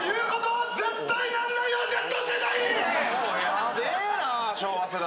ヤベえな昭和世代。